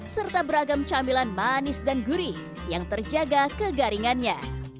serta beragam camilan manis dan gurih yang terjaga kegaringannya